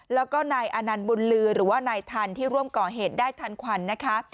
แล้วก็นายอานันต์บุญลือหรือว่านายทันที่ร่วมก่อเหตุได้ทันควันนะคะ